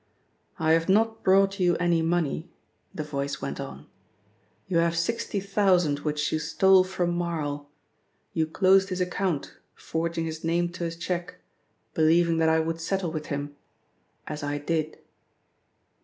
"I have not brought you any money," the voice went on. "You have sixty thousand which you stole from Marl you closed his account, forging his name to a cheque, believing that I would settle with him as I did."